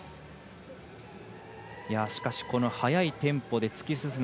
しかし速いテンポで突き進む。